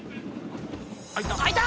開いた。